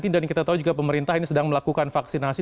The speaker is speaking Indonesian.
kita tahu juga pemerintah ini sedang melakukan vaksinasi